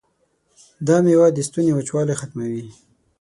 دا میوه د ستوني وچوالی ختموي.